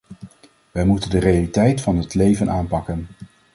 Wij moeten de realiteiten van het leven aanpakken.